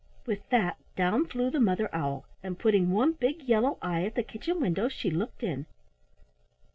With that, down flew the Mother Owl, and putting one big yellow eye at the kitchen window, she looked in.